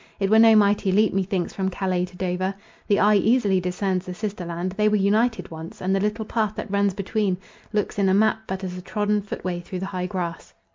It were no mighty leap methinks from Calais to Dover. The eye easily discerns the sister land; they were united once; and the little path that runs between looks in a map but as a trodden footway through high grass.